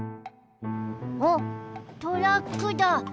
あっトラックだ。